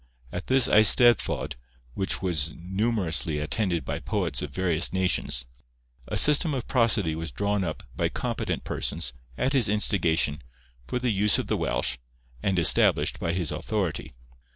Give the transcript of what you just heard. At this eisteddfod, which was numerously attended by poets of various nations, a system of prosody was drawn up by competent persons, at his instigation, for the use of the Welsh, and established by his authority.